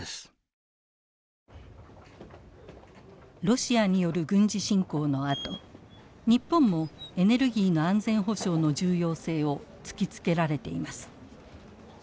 ロシアによる軍事侵攻のあと日本もエネルギーの安全保障の重要性を突きつけられています。